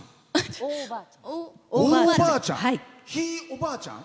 おばあちゃん。